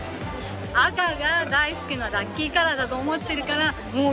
赤が大好きなラッキーカラーだと思ってるからもう絶対赤。